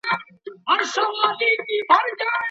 ولي مدام هڅاند د تکړه سړي په پرتله لاره اسانه کوي؟